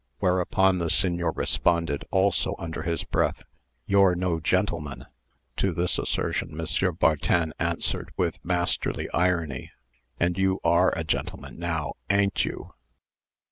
Whereupon the Signor responded, also under his breath, "You're no gentleman." To this assertion, M. Bartin answered, with masterly irony, "And you are a gentleman, now, a'n't you?"